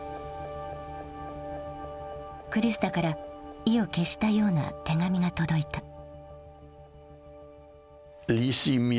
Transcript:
クリスタから意を決したような手紙が届いた。